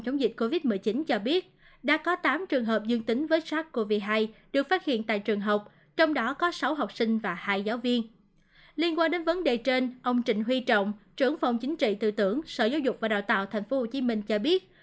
học sinh trên địa bàn tp hcm ông trịnh huy trọng trưởng phòng chính trị tư tưởng sở giáo dục và đào tạo tp hcm cho biết